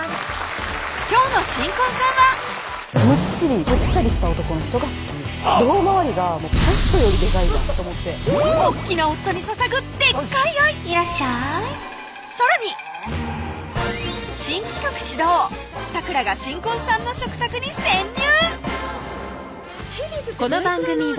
今日の新婚さんはむっちり・ぽっちゃりした男の人が好き胴回りがポストよりでかいなと思って大っきな夫にささぐでっかい愛さらに新企画始動咲楽が新婚さんの食卓に潜入！